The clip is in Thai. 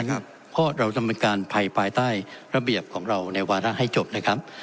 เพราะเราดำเนินการภายภายใต้ระเบียบของเราในวาระให้จบนะครับ